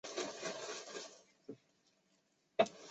中华桫椤为桫椤科桫椤属下的一个种。